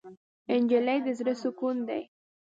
نجلۍ د زړه سکون دی.